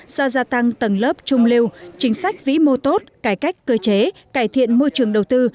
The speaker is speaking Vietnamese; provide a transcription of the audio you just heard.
do gia tăng tầng lớp trung lưu chính sách vĩ mô tốt cải cách cơ chế cải thiện môi trường đầu tư